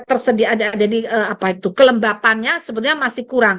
tersedia ada jadi apa itu kelembapannya sebetulnya masih kurang